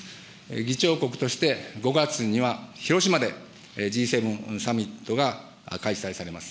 議長国として、５月には広島でＧ７サミットが開催されます。